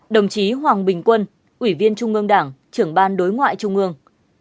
hai mươi năm đồng chí hoàng bình quân ủy viên trung ương đảng trưởng ban đối ngoại trung ương